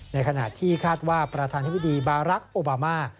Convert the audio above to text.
ในขณะที่คาดว่าประธานธิบดีบารักษ์โอบามา